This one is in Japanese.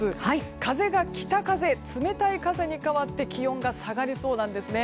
風が北風、冷たい風に変わって気温が下がりそうなんですね。